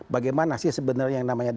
bagaimana sih sebenarnya yang namanya